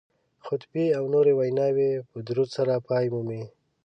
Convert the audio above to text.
خطبې او نورې ویناوې په درود سره پای مومي